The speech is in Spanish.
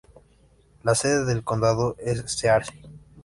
La sede del condado es Searcy.